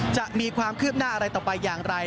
จะมีความคืบหน้าอะไรต่อไปอย่างไร